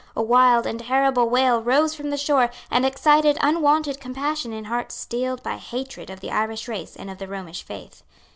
A wild and terrible wail rose from the shore, and excited unwonted compassion in hearts steeled by hatred of the Irish race and of the Romish faith.